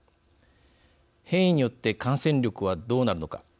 変異によって感染力はどうなるのか。